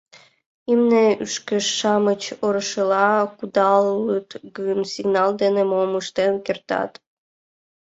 Имне, ӱшкыж-шамыч орышыла кудалыт гын, сигнал дене мом ыштен кертат?